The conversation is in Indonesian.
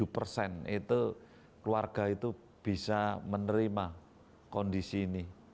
tujuh persen itu keluarga itu bisa menerima kondisi ini